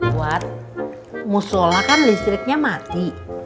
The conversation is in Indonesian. buat mau sholat kan listriknya mati